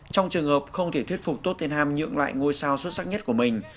trong trường hợp không thể thuyết phục tottenham nhượng lại ngôi sao xuất sắc nhất của mình